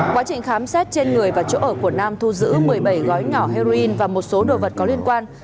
quá trình khám xét trên người và chỗ ở của nam thu giữ một mươi bảy gói nhỏ heroin và một số đồ vật có liên quan